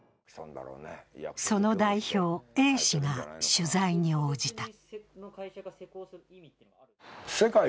その代表、Ａ氏が取材に応じた。